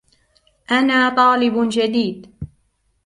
أنا طالب جديد.